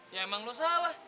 ya emang lo salah